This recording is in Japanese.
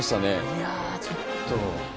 いやちょっと。